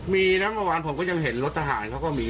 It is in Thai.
มีนะเมื่อวานผมก็ยังเห็นรถทหารเขาก็มี